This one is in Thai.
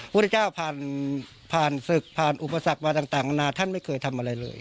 พุทธเจ้าผ่านผ่านศึกผ่านอุปสรรคมาต่างนานาท่านไม่เคยทำอะไรเลย